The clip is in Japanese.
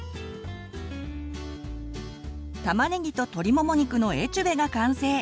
たまねぎと鶏もも肉のエチュベが完成！